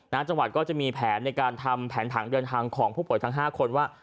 จังหวัดก็จะมีแผนในการทำแผนผังเดินทางของผู้ป่วยทั้ง๕คนว่า